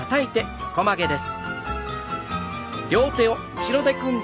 横曲げです。